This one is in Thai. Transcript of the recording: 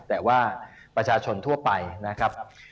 แต่ว่าประชาชนทั่วไปนะครับ